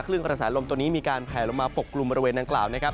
กระแสลมตัวนี้มีการแผลลงมาปกกลุ่มบริเวณดังกล่าวนะครับ